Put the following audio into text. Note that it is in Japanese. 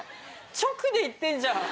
直で行ってんじゃん。